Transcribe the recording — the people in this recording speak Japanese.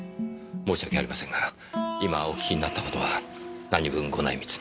申し訳ありませんが今お聞きになったことはなにぶんご内密に。